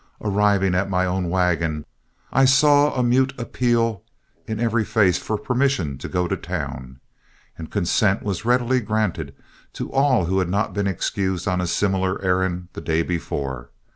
Arriving at my own wagon, I saw a mute appeal in every face for permission to go to town, and consent was readily granted to all who had not been excused on a similar errand the day before.